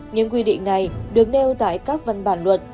những quy định này được nêu tại các văn bản luật